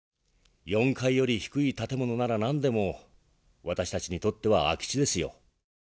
４階より低い建物なら何でも私たちにとっては空き地ですよ。